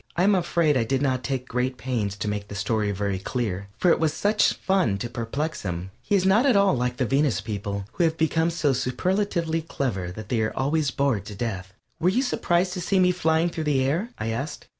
I am afraid I did not take great pains to make the story very clear, for it was such fun to perplex him. He is not at all like the Venus people, who have become so superlatively clever that they are always bored to death. "Were you surprised to see me flying through the air?" I asked.